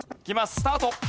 スタート！